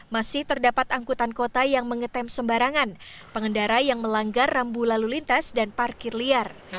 masih terdapat angkutan kota yang mengetem sembarangan pengendara yang melanggar rambu lalu lintas dan parkir liar